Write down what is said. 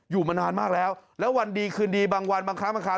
อยู่มานานมากแล้วแล้ววันดีคืนดีบางวันบางครั้งบางครั้ง